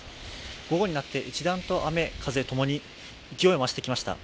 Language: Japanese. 午後になって一段と雨・風ともに勢いを増してきました。